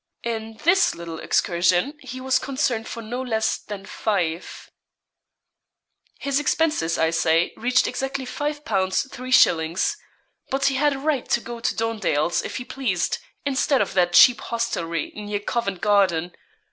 In this little excursion he was concerned for no less than five. His expenses, I say, reached exactly £5 3_s_. But he had a right to go to Dondale's if he pleased, instead of that cheap hostelry near Covent Garden.